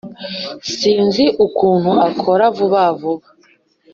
sinzi ukuntu akora vuba vuba